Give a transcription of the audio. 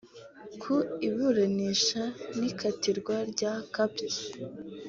Ku iburanisha n’ ikatirwa rya Capt